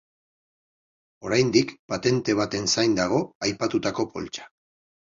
Oraindik patente baten zain dago aipatutako poltsa.